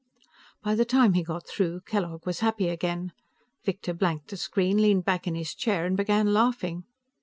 By the time he got through, Kellogg was happy again. Victor blanked the screen, leaned back in his chair and began laughing.